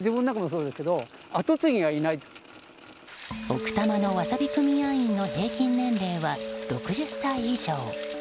奥多摩のワサビ組合員の平均年齢は６０歳以上。